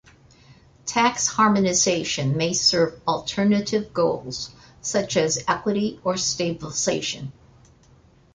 Tax harmonization may serve alternative goals, such as equity or stabilization.